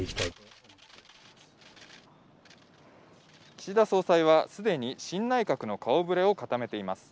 岸田総裁はすでに新内閣の顔触れを固めています。